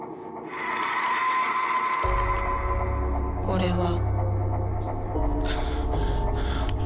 これは。